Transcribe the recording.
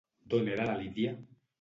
D'on era la Lidia?